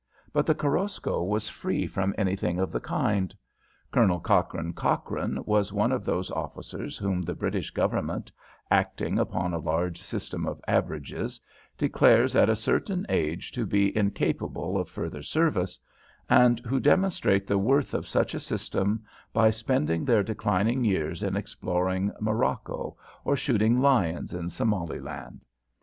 But the Korosko was free from anything of the kind. Colonel Cochrane Cochrane was one of those officers whom the British Government, acting upon a large system of averages, declares at a certain age to be incapable of further service, and who demonstrate the worth of such a system by spending their declining years in exploring Morocco, or shooting lions in Somaliland.